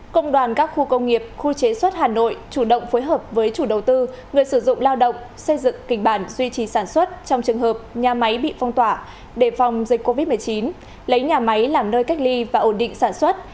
công đoàn các khu công nghiệp khu chế xuất hà nội chủ động phối hợp với chủ đầu tư người sử dụng lao động xây dựng kịch bản duy trì sản xuất trong trường hợp nhà máy bị phong tỏa đề phòng dịch covid một mươi chín lấy nhà máy làm nơi cách ly và ổn định sản xuất